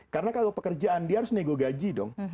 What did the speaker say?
karena kalau pekerjaan dia harus nego gaji dong